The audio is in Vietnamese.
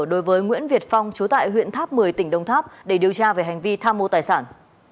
đối với nguyễn việt phong chú tại huyện tháp một mươi tỉnh đông tháp để điều tra về hành vi tham mô tài sản